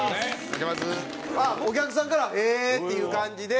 あっお客さんから「ええー！」っていう感じで。